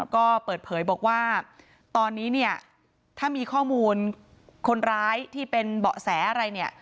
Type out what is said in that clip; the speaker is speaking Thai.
ก็เปิดเผยบอกว่าตอนนี้เนี่ยถ้ามีข้อมูลคนร้ายที่เป็นเบาะแสอะไรเนี่ย